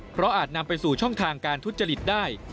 เพราะอาจนำไปสู่ช่องทางการทุจริตได้